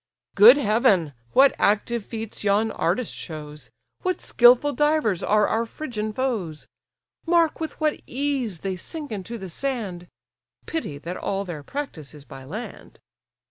"Good heaven! what active feats yon artist shows! What skilful divers are our Phrygian foes! Mark with what ease they sink into the sand! Pity that all their practice is by land!"